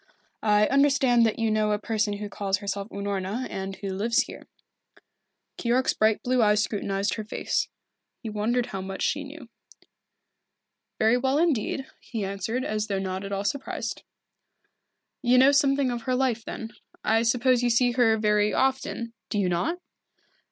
I understand that you know a person who calls herself Unorna, and who lives here." Keyork's bright blue eyes scrutinized her face. He wondered how much she knew. "Very well indeed," he answered, as though not at all surprised. "You know something of her life, then. I suppose you see her very often, do you not?"